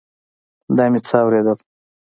دا مې څه اورېدل.